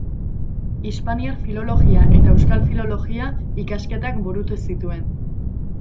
Hispaniar Filologia eta Euskal Filologia ikasketak burutu zituen.